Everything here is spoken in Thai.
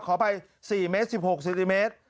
ขออภัย๔เมตร๑๖เซนติเมตร